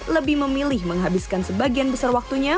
lebih memilih menghabiskan sebagian besar waktunya